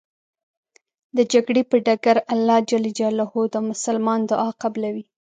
د جګړې په ډګر الله ج د مسلمان دعا قبلوی .